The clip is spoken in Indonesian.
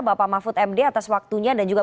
bapak mahfud md atas waktunya dan juga